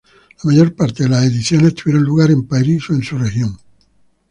La mayor parte de las ediciones tuvieron lugar en Paris o en su región.